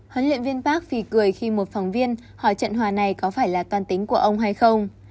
hớn luyện viên park phì cười khi một phòng viên hỏi trận hòa này có phải là toan tính của ông hay không